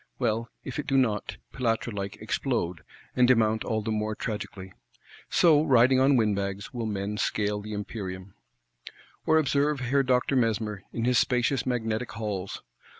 Well if it do not, Pilatre like, explode; and demount all the more tragically!—So, riding on windbags, will men scale the Empyrean. Or observe Herr Doctor Mesmer, in his spacious Magnetic Halls.